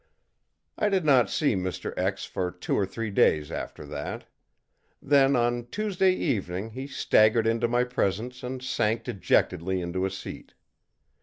î I did not see Mr. for two or three days after that. Then, on Tuesday evening, he staggered into my presence and sank dejectedly into a seat.